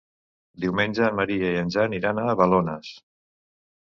Diumenge en Maria i en Jan iran a Balones.